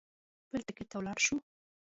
بل ټکټ ته ولاړ شو.